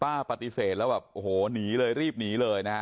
ปฏิเสธแล้วแบบโอ้โหหนีเลยรีบหนีเลยนะฮะ